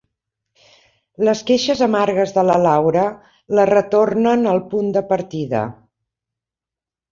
Les queixes amargues de la Laura la retornen al punt de partida.